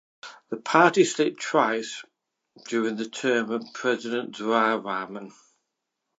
The party slit twice during the term of President Ziaur Rahman.